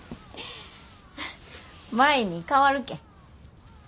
舞に代わるけん。